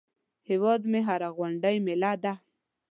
هیواد مې هره غونډۍ مېله ده